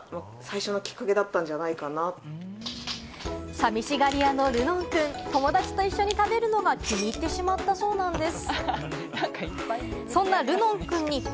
寂しがり屋の、るのんくん、友達と一緒に食べるのが気に入ってしまったそうなんです。